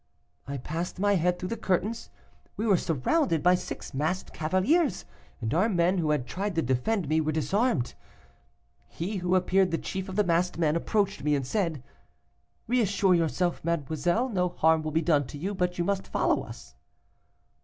"I passed my head through the curtains. We were surrounded by six masked cavaliers, and our men, who had tried to defend me, were disarmed. He who appeared the chief of the masked men approached me, and said; 'Reassure yourself, mademoiselle, no harm will be done to you, but you must follow us.